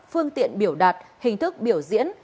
phương tiện biểu đạt hình thức biểu diễn